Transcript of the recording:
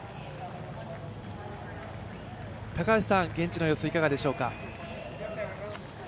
高橋さん、現地の様子いかがでしょうか。